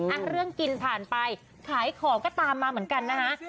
อ่ะเรื่องกินผ่านไปขายของก็ตามมาเหมือนกันนะฮะ